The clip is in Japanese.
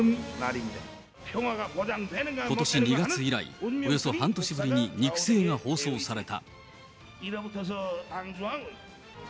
ことし２月以来、およそ半年ぶりに肉声が放送された。